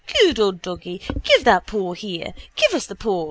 Good old doggy! Give the paw here! Give us the paw!